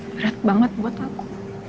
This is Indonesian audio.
berat banget buat aku